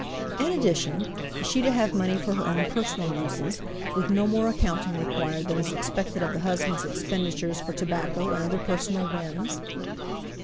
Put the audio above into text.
In addition, is she to have money for her own personal uses, with no more accounting required than is expected of the husband's expenditures for tobacco and other personal whims?